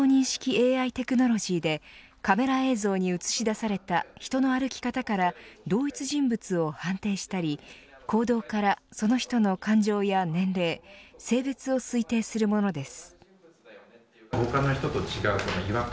ＡＩテクノロジーでカメラ映像に映し出された人の歩き方から同一人物を判定したり行動からその人の感情や年齢性別を推定するものです。